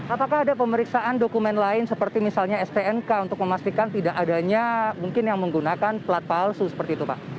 apakah ada pemeriksaan dokumen lain seperti misalnya stnk untuk memastikan tidak adanya mungkin yang menggunakan plat palsu seperti itu pak